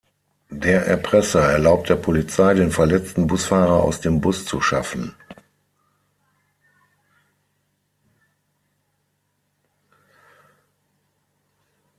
Der Erpresser erlaubt der Polizei, den verletzten Busfahrer aus dem Bus zu schaffen.